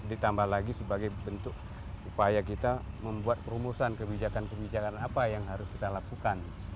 ditambah lagi sebagai bentuk upaya kita membuat perumusan kebijakan kebijakan apa yang harus kita lakukan